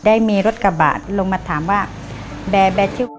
ได้มีรถกระบาดลงมาถามว่าแบร์แบร์ชื่อ